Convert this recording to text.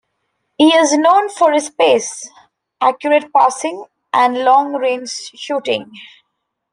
He is known for his pace, accurate passing and long range shooting.